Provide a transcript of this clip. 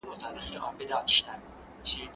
ناحقه عايد مه اخلئ.